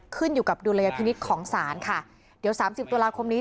ขึ้นอยู่กับดุลยพินิษฐ์ของศาลค่ะเดี๋ยวสามสิบตุลาคมนี้